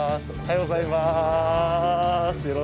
おはようございます。